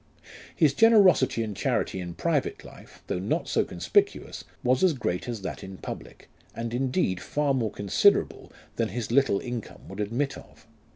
His generosity and charity in private life, though not so conspicuous, was as great as that in public, and indeed far more considerable than his little income would admit of.